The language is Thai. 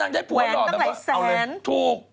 เอาเลยถูก